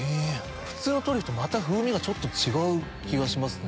普通のトリュフと風味がちょっと違う気がしますね。